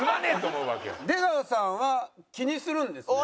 出川さんは気にするんですね？